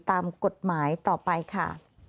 ตามกฎหมายต่อไปค่ะ